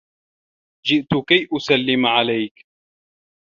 جِئْتِ كَيْ أُسَلِّمَ عَلَيكَ..